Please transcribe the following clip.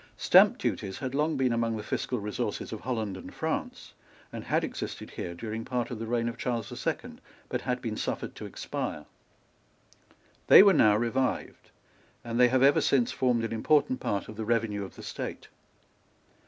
Stamp duties had long been among the fiscal resources of Holland and France, and had existed here during part of the reign of Charles the Second, but had been suffered to expire. They were now revived; and they have ever since formed an important part of the revenue of the State.